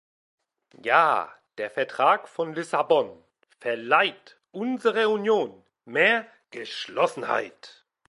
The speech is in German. Ja, der Vertrag von Lissabon verleiht unserer Union mehr Geschlossenheit.